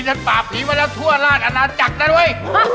ฉันป่าผีมาแล้วทั่วราชอาณาจักรนั่นเว้ย